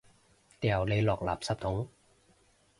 掉你落垃圾桶！